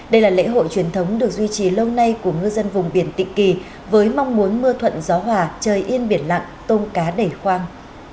đây là lễ hội truyền thống được duy trì lâu nay của ngư dân vùng biển tịnh kỳ với mong muốn mưa thuận gió hòa trời yên biển lặng tôm cá đầy khoang